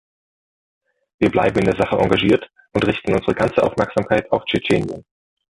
Wir bleiben in der Sache engagiert und richten unsere ganze Aufmerksamkeit auf Tschetschenien.